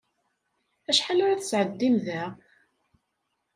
Acḥal ara tesɛeddim da?